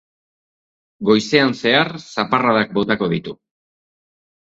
Goizean zehar zaparradak botako ditu.